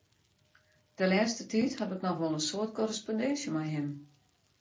De lêste tiid haw ik noch wol in soad korrespondinsje mei him.